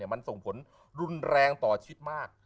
มันส่งผลรุนแรงต่อชิดมาก